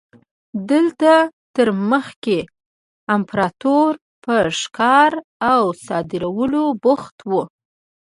دلته تر مخکې امپراتور په ښکار او صادرولو بوخت و.